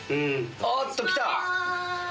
おっと来た！